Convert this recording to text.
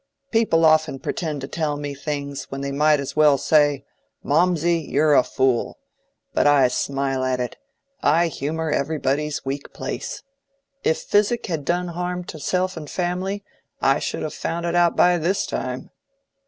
People often pretend to tell me things, when they might as well say, 'Mawmsey, you're a fool.' But I smile at it: I humor everybody's weak place. If physic had done harm to self and family, I should have found it out by this time."